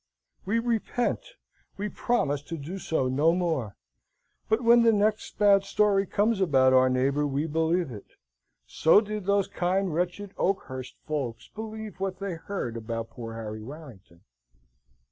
We repent we promise to do so no more; but when the next bad story comes about our neighbour we believe it. So did those kind, wretched Oakhurst folks believe what they heard about poor Harry Warrington.